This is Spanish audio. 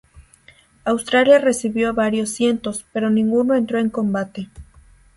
Australia recibió varios cientos, pero ninguno entró en combate.